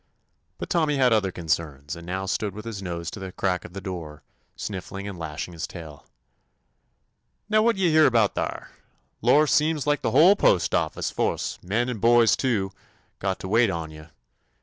But Tommy had other concerns, and now stood with his nose to the crack of the door, snifBng and lashing his tail. "Now what yo' hear out thar*? Lor, seems like the whole postoffice fo'ce — men and boys too — got to wait on you!